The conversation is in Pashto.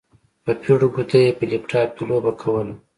په پېړو ګوتو يې په لپټاپ کې لوبه کوله.